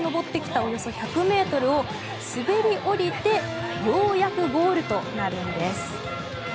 およそ１００ｍを滑り降りてようやくゴールとなるんです。